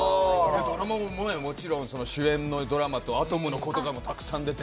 もちろん主演のドラマと、「アトムの童」とかもたくさん出て。